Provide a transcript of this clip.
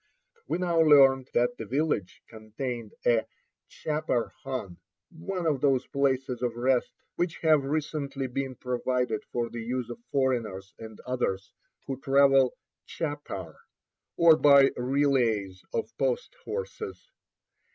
We now learned that the village contained a chappar khan, one of those places of rest which have recently been provided for the use of foreigners and others, who travel chappar, or by relays of post horses.